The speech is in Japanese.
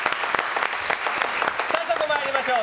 早速参りましょう。